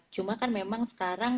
cuma kan memang sekarang